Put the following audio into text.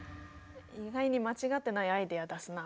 意外に間違ってないアイデア出すな。